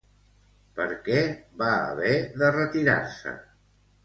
Per què va haver de retirar-se?